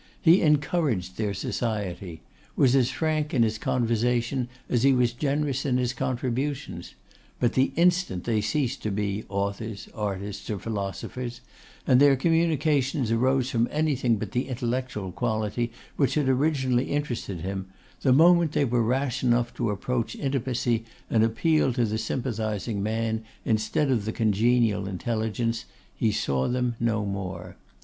He encouraged their society; was as frank in his conversation as he was generous in his contributions; but the instant they ceased to be authors, artists, or philosophers, and their communications arose from anything but the intellectual quality which had originally interested him, the moment they were rash enough to approach intimacy and appealed to the sympathising man instead of the congenial intelligence, he saw them no more.